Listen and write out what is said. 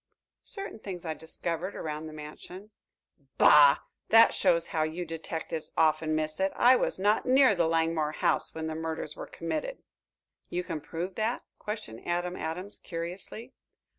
"Certain things I discovered around the mansion." "Bah! That shows how you detectives often miss it. I was not near the Langmore house when the murders were committed." "You can prove that?" questioned Adam Adams curiously.